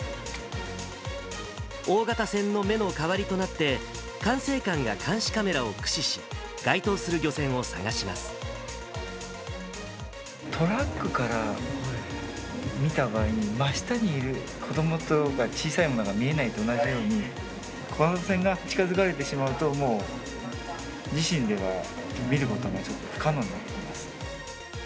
大型船の目の代わりとなって、管制官や監視カメラを駆使し、トラックから見た場合に、真下にいる子どもとか、小さいものが見えないのと同じように、小型船が近づかれてしまうと、もう自身では見ることがちょっと不可能になってきます。